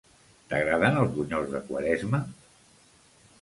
T'agraden els bunyols de Quaresma?